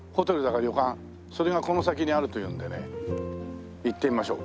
それがこの先にあるというんでね行ってみましょう。